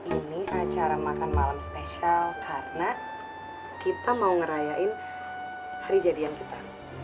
ini acara makan malam spesial karena kita mau ngerayain hari jadian kita